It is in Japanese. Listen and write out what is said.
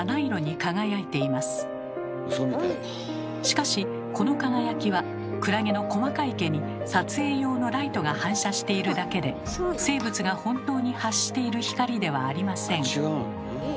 しかしこの輝きはクラゲの細かい毛に撮影用のライトが反射しているだけで生物が本当に発している光ではありません。